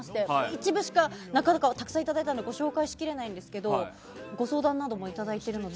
一部しかたくさんいただいたのでご紹介しきれないんですがご相談などもいただいています。